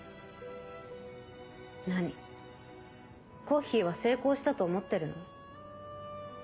コッヒーは成功したと思ってるの？